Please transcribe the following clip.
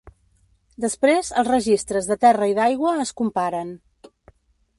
Després els registres de terra i d’aigua es comparen.